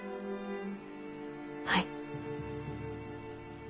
はい。